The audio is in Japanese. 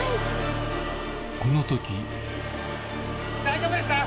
この時大丈夫ですか？